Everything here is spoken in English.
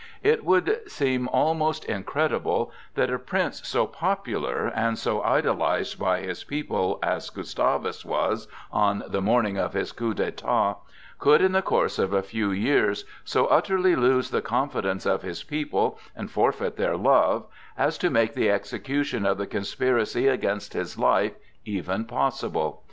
It would seem almost incredible that a prince so popular and so idolized by his people as Gustavus was on the morning of his coup d'état could in the course of a few years so utterly lose the confidence of his people and forfeit their love as to make the execution of the conspiracy against his life even possible.